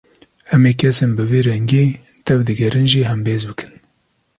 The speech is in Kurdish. Em ê kesên bi vî rengî tevdigerin jî hembêz bikin